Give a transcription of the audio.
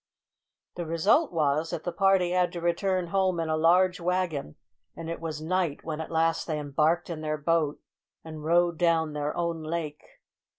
The result was that the party had to return home in a large wagon, and it was night when at last they embarked in their boat and rowed down their own lake.